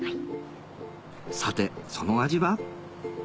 さてその味は？